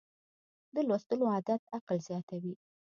د لوستلو عادت عقل زیاتوي.